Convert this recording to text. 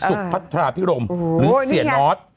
สุขพระพิรมหรือเสียนอธ